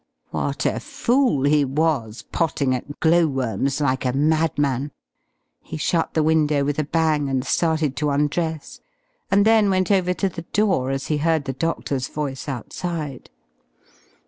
What a fool he was, potting at glow worms like a madman! He shut the window with a bang and started to undress, and then went over to the door as he heard the doctor's voice outside.